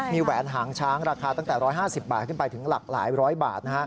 มีแหวนหางช้างราคาตั้งแต่๑๕๐บาทขึ้นไปถึงหลากหลายร้อยบาท